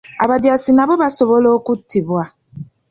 Abajaasi nabo basobola okuttibwa.